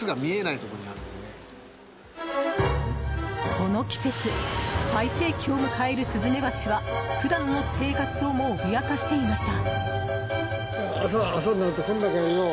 この季節、最盛期を迎えるスズメバチは普段の生活をも脅かしていました。